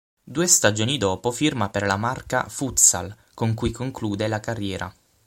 Due stagioni dopo firma per la Marca Futsal con cui conclude la carriera.